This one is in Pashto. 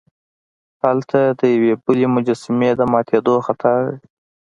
هلته د یوې بلې مجسمې د ماتیدو خطر دی.